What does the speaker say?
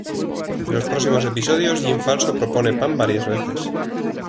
En los próximos episodios, Jim falso propone Pam varias veces.